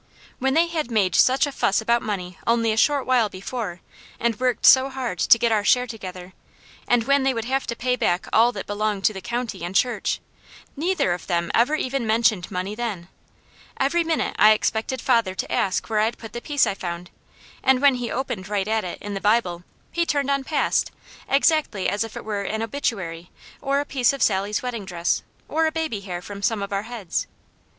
When they had made such a fuss about money only a short while before, and worked so hard to get our share together, and when they would have to pay back all that belonged to the county and church, neither of them ever even mentioned money then. Every minute I expected father to ask where I'd put the piece I found, and when he opened right at it, in the Bible, he turned on past, exactly as if it were an obituary, or a piece of Sally's wedding dress, or baby hair from some of our heads.